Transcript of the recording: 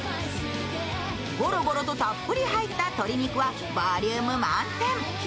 ゴロゴロとたっぷり入った鶏肉はボリューム満点。